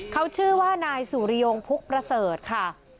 เขาชื่อว่านายสุริยงพุกประเสริฐค่ะ